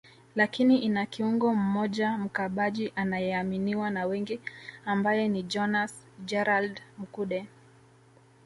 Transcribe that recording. lakini ina kiungo mmoja mkabaji anayeaminiwa na wengi ambaye ni Jonas Gerald Mkude